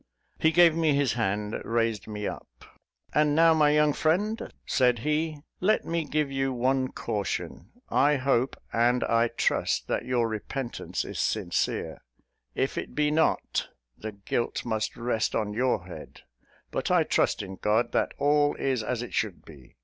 He gave me his hand, raised me up, "And, now, my young friend," said he, "let me give you one caution. I hope and I trust that your repentance is sincere. If it be not, the guilt must rest on your head; but I trust in God that all is as it should be.